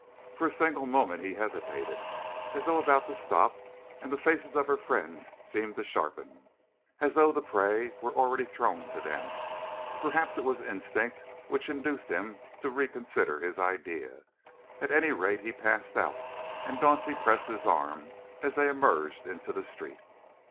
For a single moment he hesitated, as though about to stop, and the faces of her friends seemed to sharpen, as though the prey were already thrown to them. Perhaps it was instinct which induced him to reconsider his idea. At any rate he passed out, and Dauncey pressed his arm as they emerged into the street.